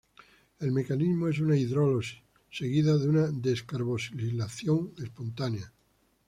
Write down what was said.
El mecanismo es una hidrólisis, seguida de una descarboxilación espontánea.